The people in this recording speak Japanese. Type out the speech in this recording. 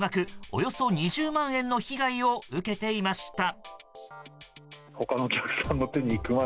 およそ２０万円の被害を受けていました。